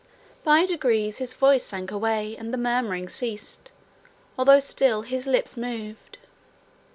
By degrees his voice sank away and the murmuring ceased, although still his lips moved.